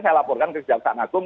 saya laporkan ke jaksa anagung